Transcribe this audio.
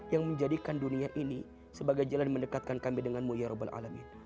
yang menjadikan dunia ini sebagai jalan mendekatkan kami denganmu ya rabbil alamin